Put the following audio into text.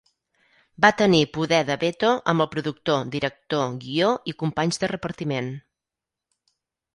Va tenir poder de veto amb el productor, director, guió i companys de repartiment.